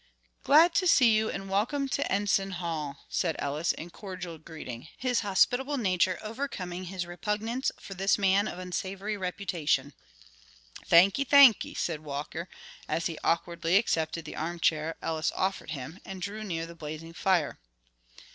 "Glad to see you and welcome you to Enson Hall," said Ellis in cordial greeting, his hospitable nature overcoming his repugnance for this man of unsavory reputation. "Thanky, thanky," said Walker, as he awkwardly accepted the armchair Ellis offered him, and drew near the blazing fire.